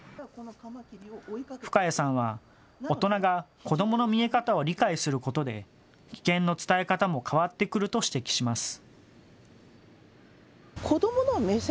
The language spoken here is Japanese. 深谷さんは大人が子どもの見え方を理解することで危険の伝え方も変わってくると指摘します。